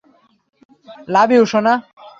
লাভ you, সোনা!